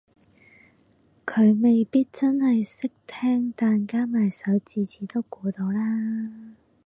佢未必真係識聽但加埋手指指都估到啦